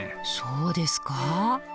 そうですか？